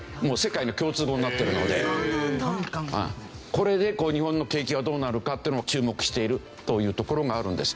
これで日本の景気はどうなるかっていうのを注目しているというところがあるんです。